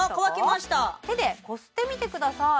あっ乾きました手でこすってみてください